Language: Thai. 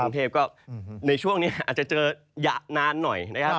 กรุงเทพก็ในช่วงนี้อาจจะเจอนานหน่อยนะครับ